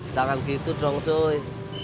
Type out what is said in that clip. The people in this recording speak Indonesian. jangan gitu dong cuy